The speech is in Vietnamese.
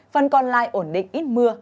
phần còn lại ổn định ít mưa